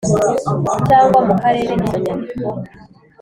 cyangwa mu Karere izo nyandiko